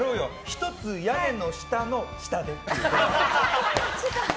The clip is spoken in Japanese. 「ひとつ屋根の下の下で」っていう。